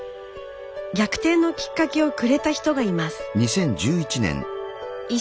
逆転のきっかけをくれた人がいます。